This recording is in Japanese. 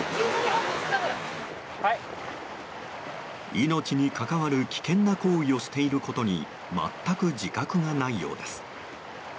命に関わる危険な行為をしていることに全く自覚がないようです。